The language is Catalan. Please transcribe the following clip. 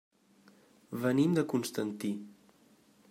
Venim de Constantí.